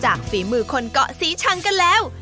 ฝีมือคนเกาะสีชังกันแล้ว